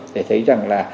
để thấy rằng là